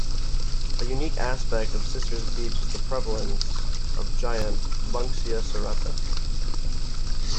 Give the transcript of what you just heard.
A unique aspect of Sisters Beach is the prevalence of giant Banksia serrata.